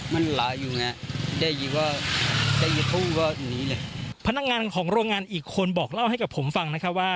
พนักงานของโรงงานอีกคนบอกเล่าให้กับผมฟังนะคะว่า